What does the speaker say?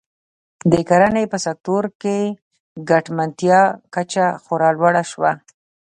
د کرنې په سکتور کې ګټمنتیا کچه خورا لوړه شوه.